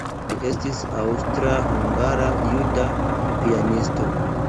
Li estis aŭstra-hungara-juda pianisto.